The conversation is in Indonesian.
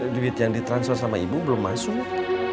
duit yang ditransfer sama ibu belum masuk